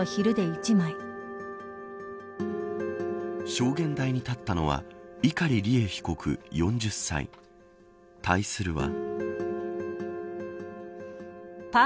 証言台に立ったのは碇利恵被告、４０歳対するは。